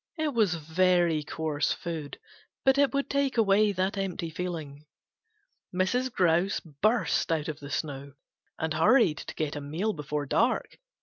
It was very coarse food, but it would take away that empty feeling. Mrs. Grouse burst out of the snow and hurried to get a meal before dark.